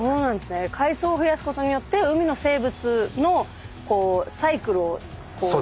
海藻を増やすことによって海の生物のサイクルを守ってあげるっていう。